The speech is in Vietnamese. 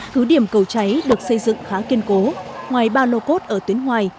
cứ điểm cầu cháy được xây dựng khá kiên cố ngoài ba lô cốt ở tuyến ngoài